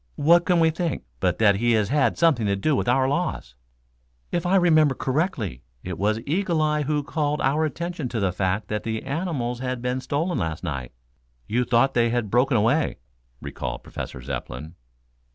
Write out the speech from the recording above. What can we think, but that he has had something to do with our loss?" "If I remember correctly, it was Eagle eye who called our attention to the fact that the animals had been stolen last night. You thought they had broken away," recalled Professor Zepplin.